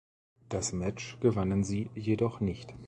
Das Match gewannen sie jedoch nicht.